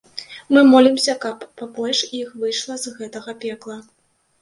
Мы молімся, каб пабольш іх выйшла з гэтага пекла.